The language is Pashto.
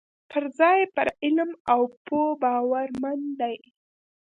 پر ځای یې پر علم او پوه باورمن دي.